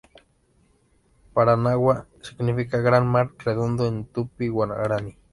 Paranaguá significa gran mar redondo en tupí-guaraní.